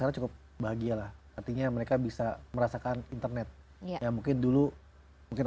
karena cukup bahagia lah artinya mereka bisa merasakan internet ya mungkin dulu mungkin